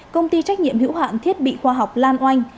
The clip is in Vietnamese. công ty trách nhiệm hữu hạn thiết bị khoa học lan